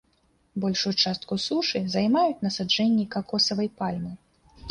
Большую частку сушы займаюць насаджэнні какосавай пальмы.